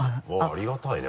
ありがたいね